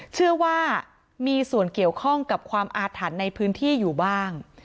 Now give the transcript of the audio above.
เชื่อว่ามีส่วนเกี่ยวข้องกับความอาถรรพ์ในพื้นที่อยู่บ้าง